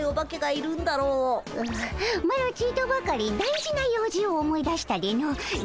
ううマロちとばかり大事な用事を思い出したでの。